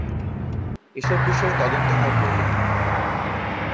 এসব বিষেয় তদন্ত হওয়া প্রয়োজন।